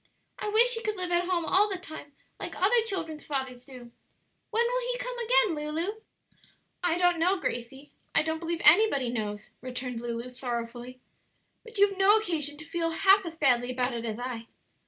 "I wish he could live at home all the time like other children's fathers do! When will he come again, Lulu?" "I don't know, Gracie; I don't believe anybody knows," returned Lulu sorrowfully. "But you have no occasion to feel half as badly about it as I."